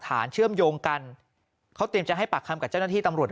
เชื่อมโยงกันเขาเตรียมจะให้ปากคำกับเจ้าหน้าที่ตำรวจ